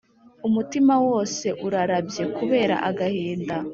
umutima wose urarabye kubera agahinda